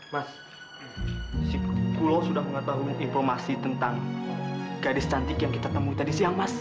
mas pulo sudah mengetahui informasi tentang gadis cantik yang kita temui tadi siang mas